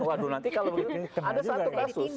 waduh nanti kalau begitu